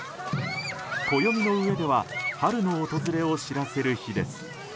暦の上では春の訪れを知らせる日です。